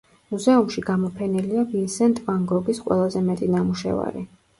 მუზეუმში გამოფენილია ვინსენტ ვან გოგის ყველაზე მეტი ნამუშევარი.